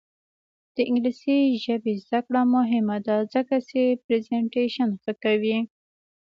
د انګلیسي ژبې زده کړه مهمه ده ځکه چې پریزنټیشن ښه کوي.